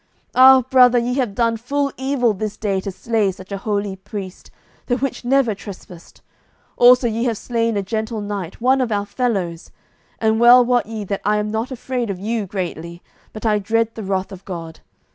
Ah, brother, ye have done full evil this day to slay such a holy priest, the which never trespassed. Also ye have slain a gentle knight, one of our fellows. And well wot ye that I am not afraid of you greatly, but I dread the wrath of God.